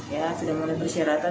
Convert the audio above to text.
ya sudah memenuhi persyaratan